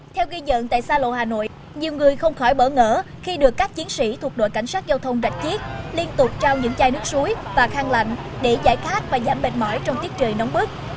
theo ghi nhận tại xa lộ hà nội nhiều người không khỏi bỡ ngỡ khi được các chiến sĩ thuộc đội cảnh sát giao thông rạch chiếc liên tục trao những chai nước suối và khăn lạnh để giải khát và giảm mệt mỏi trong tiết trời nóng bức